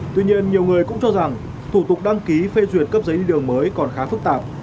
tuy nhiên nhiều người cũng cho rằng thủ tục đăng ký phê duyệt cấp giấy đường mới còn khá phức tạp